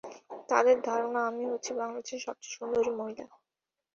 তাদের ধারণা, আমি হচ্ছি বাংলাদেশের সবচেয়ে সুন্দরী মহিলা।